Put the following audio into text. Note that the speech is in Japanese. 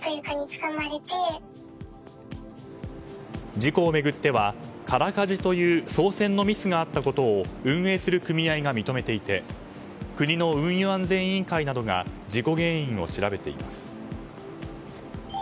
事故を巡っては、空かじという操船のミスがあったことを運営する組合が認めていて国の運輸安全委員会などが事故原因などを調べています。